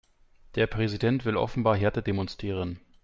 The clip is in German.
Der Präsident will offenbar Härte demonstrieren.